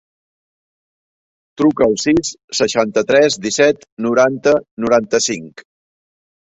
Truca al sis, seixanta-tres, disset, noranta, noranta-cinc.